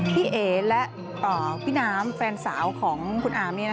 เอ๋และพี่น้ำแฟนสาวของคุณอาร์ม